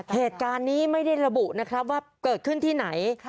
เหตุการณ์นี้ไม่ได้ระบุนะครับว่าเกิดขึ้นที่ไหน